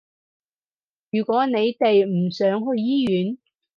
如果你哋唔想去醫院